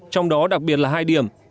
trong đó đặc biệt là hai điểm